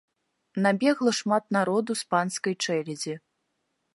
Набегла шмат народу з панскай чэлядзі.